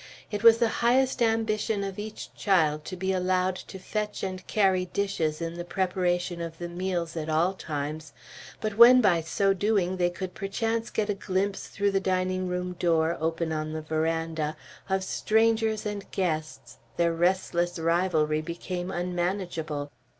It was the highest ambition of each child to be allowed to fetch and carry dishes in the preparation of the meals at all times; but when by so doing they could perchance get a glimpse through the dining room door, open on the veranda, of strangers and guests, their restless rivalry became unmanageable.